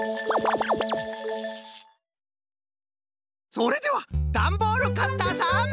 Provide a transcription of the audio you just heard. それではダンボールカッターさん。